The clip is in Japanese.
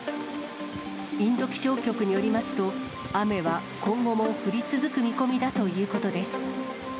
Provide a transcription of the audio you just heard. インド気象局によりますと、雨は今後も降り続く見込みだということです。